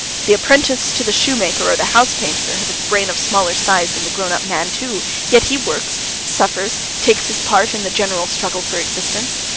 The apprentice to the shoemaker or the house painter has a brain of smaller size than the grown up man too, yet he works, suffers, takes his part in the general struggle for existence.